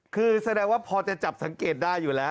คือแสดงว่าพอจะจับสังเกตได้อยู่แล้ว